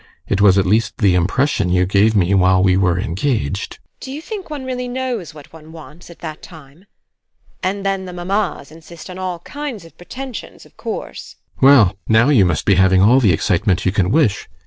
It was at least the impression you gave me while we were engaged. TEKLA. Do you think one really knows what one wants at that time? And then the mammas insist on all kinds of pretensions, of course. GUSTAV. Well, now you must be having all the excitement you can wish.